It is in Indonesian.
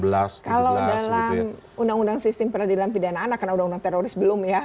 kalau dalam undang undang sistem peradilan pidana anak karena undang undang teroris belum ya